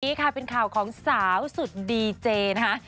นี้ค่ะเป็นข่าวของสาวสุดดีเจนะคะ